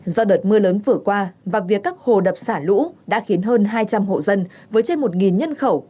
do đợt mưa lớn vừa qua và việc các hồ đập xả lũ đã khiến hơn hai trăm linh hộ dân với trên một nhân khẩu